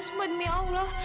semua demi allah